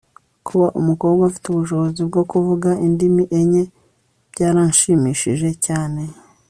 kuba umukobwa afite ubushobozi bwo kuvuga indimi enye byaranshimishije cyane